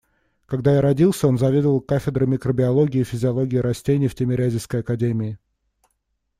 Когда я родился, он заведовал кафедрой микробиологии и физиологии растений в Тимирязевской академии.